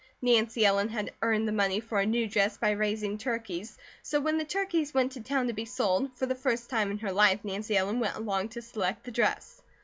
Nancy Ellen had earned the money for a new dress by raising turkeys, so when the turkeys went to town to be sold, for the first time in her life Nancy Ellen went along to select the dress.